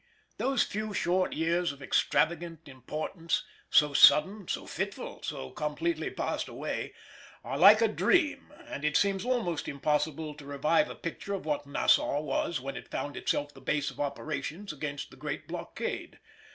Those few short years of extravagant importance—so sudden, so fitful, so completely passed away—are like a dream, and it seems almost impossible to revive a picture of what Nassau was when it found itself the base of operations against the great blockade.